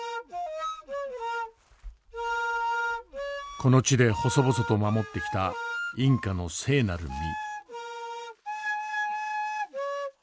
この地で細々と守ってきたインカの聖なる実。